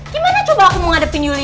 gimana coba aku mau ngadepin yuli